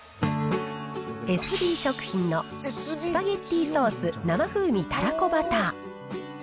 エスビー食品のスパゲッティソース生風味たらこバター。